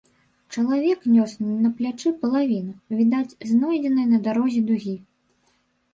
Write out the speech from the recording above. Чалавек нёс на плячы палавіну, відаць, знойдзенай на дарозе дугі.